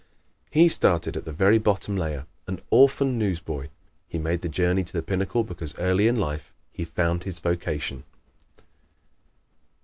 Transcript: He started at the very bottom layer, an orphan newsboy. He made the journey to the pinnacle because early in life he found his vocation.